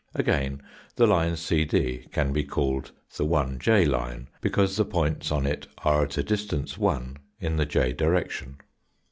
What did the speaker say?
Again, the line CD can be called the Ij line because the points on it are at a distance, 1 in the j direction.